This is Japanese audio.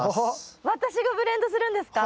私がブレンドするんですか？